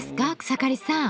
草刈さん。